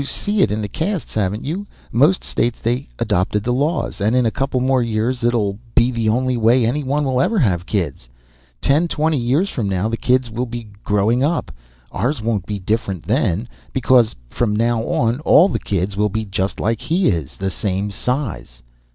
You seen it in the 'casts, haven't you? Most states, they adopted the laws. And in a couple more years it'll be the only way anyone will ever have kids. Ten, twenty years from now, the kids will be growing up. Ours won't be different then, because from now on all the kids will be just like he is. The same size."